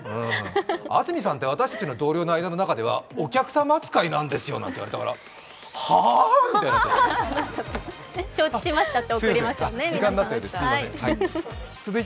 安住さんって私たちの同僚の中ではお客様扱いなんですよって言われたから、はぁ？みたいになっちゃって。